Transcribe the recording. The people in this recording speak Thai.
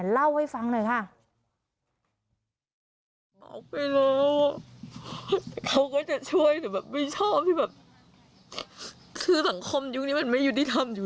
เล่าให้ฟังหน่อยค่ะ